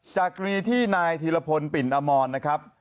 จากรีฐีนายธีรพลปิ่นอมอนนะครับ